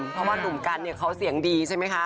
เพราะว่าหนุ่มกันเนี่ยเขาเสียงดีใช่ไหมคะ